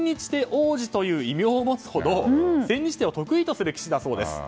王子という異名を持つほど千日手を得意とする棋士だそうです。